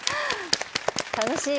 楽しい。